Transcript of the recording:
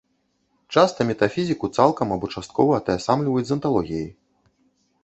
Часта метафізіку, цалкам або часткова, атаясамліваюць з анталогіяй.